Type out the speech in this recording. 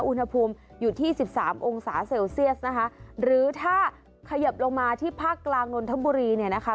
อุณหภูมิอยู่ที่สิบสามองศาเซลเซียสนะคะหรือถ้าเขยิบลงมาที่ภาคกลางนนทบุรีเนี่ยนะคะ